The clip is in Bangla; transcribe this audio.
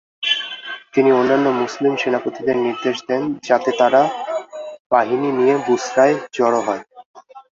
তিনি অন্যান্য মুসলিম সেনাপতিদের নির্দেশ দেন যাতে তারা বাহিনী নিয়ে বুসরায় জড়ো হয়।